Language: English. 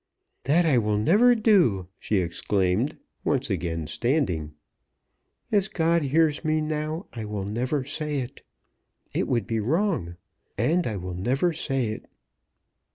"That I will never do," she exclaimed, once again standing. "As God hears me now I will never say it. It would be wrong, and I will never say it."